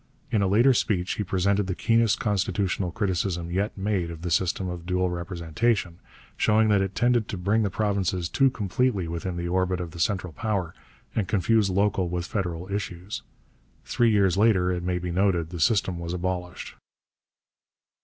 In a later speech he presented the keenest constitutional criticism yet made of the system of dual representation, showing that it tended to bring the provinces too completely within the orbit of the central power and confuse local with federal issues. Three years later, it may be noted, the system was abolished.